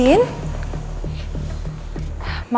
mama nunggu udah lama